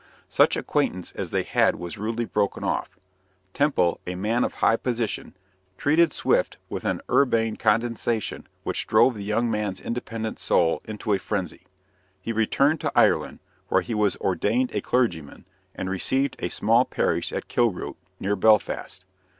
Such acquaintance as they had was rudely broken off. Temple, a man of high position, treated Swift with an urbane condescension which drove the young man's independent soul into a frenzy. He returned to Ireland, where he was ordained a clergyman, and received a small parish at Kilroot, near Belfast.